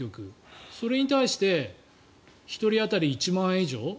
それに対して１人当たり１万円以上。